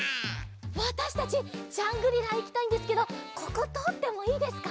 わたしたちジャングリラいきたいんですけどこことおってもいいですか？